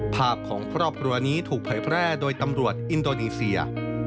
ภาพของครอบครัวนี้ถูกเผยแพร่โดยตำรวจอินโดนีเซีย